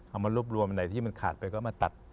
เอามารวบรวมอันไหนที่มันขาดไปก็มาตัด